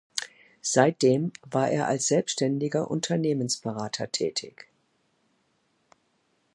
Seitdem war er als selbständiger Unternehmensberater tätig.